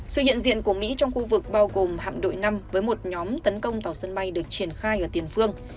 sự hiện diện của mỹ trong khu vực bao gồm hạm đội năm với một nhóm tấn công tàu sân bay được triển khai ở tiền phương